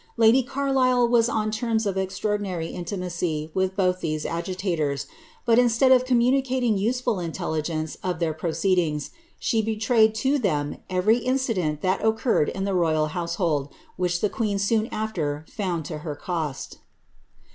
Udy Carlisle was on terms of extraordinary intimacy with both these agitators ; but instead of communicating useful intelligence of their pro ceedings, she betrayed to them every incident that occurred in the royal household, which the queen soon after found to her cost.